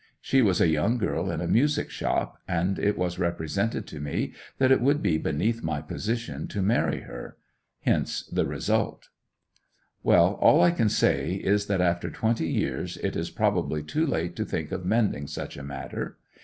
She was a young girl in a music shop; and it was represented to me that it would be beneath my position to marry her. Hence the result.' 'Well, all I can say is that after twenty years it is probably too late to think of mending such a matter.